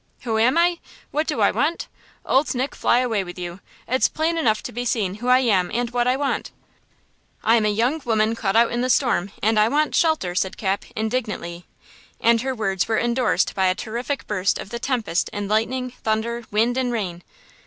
"Who am I? What do I want? Old Nick fly away with you! It's plain enough to be seen who I am and what I want. I am a young woman caught out in the storm and I want shelter!" said Cap, indignantly. And her words were endorsed by a terrific burst of the tempest in lightning, thunder, wind and rain!